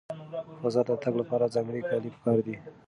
فضا ته د تګ لپاره ځانګړي کالي پکار دي.